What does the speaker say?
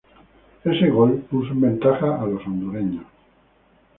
Ese gol, puso en ventaja a los hondureños.